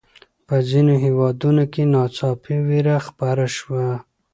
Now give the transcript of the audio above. په ځینو هېوادونو کې ناڅاپي ویره خپره شوه.